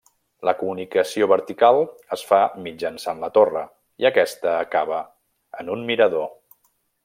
La comunicació vertical es fa mitjançant la torre, i aquesta acaba en un mirador.